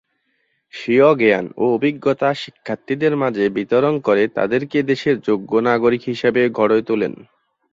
স্বীয় জ্ঞান ও অভিজ্ঞতা শিক্ষার্থীদের মাঝে বিতরণ করে তাদেরকে দেশের যোগ্য নাগরিক হিসেবে গড়ে তোলেন।